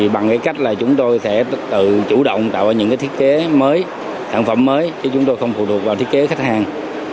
bằng cách là chúng tôi sẽ tự chủ động tạo ra những thiết kế mới sản phẩm mới chứ chúng tôi không phụ thuộc vào thiết kế khách hàng